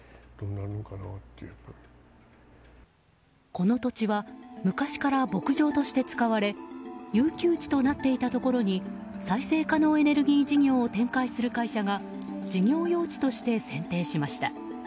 この土地は昔から牧場として使われ遊休地となっていたところに再生可能エネルギー事業を展開する会社が事業用地として選定しました。